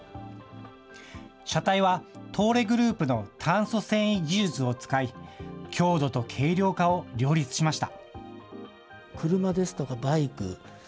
車体は東レグループの炭素繊維技術を使い、強度と軽量化を両立しました。